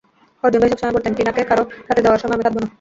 অর্জুন ভাই সবসময় বলতেন, টিনাকে কারও হাতে দেওয়ার সময়, আমি কাঁদবো না।